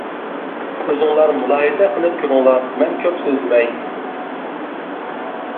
ئۆزۈڭلار مۇلاھىزە قىلىپ كۆرۈڭلار، مەن كۆپ سۆزلىمەي.